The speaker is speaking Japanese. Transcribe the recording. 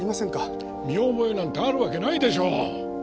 見覚えなんてあるわけないでしょう！